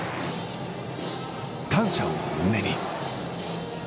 感謝を胸に。